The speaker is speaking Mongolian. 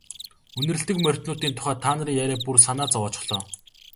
Үнэрлэдэг морьтнуудын тухай та нарын яриа бүр санаа зовоочихлоо.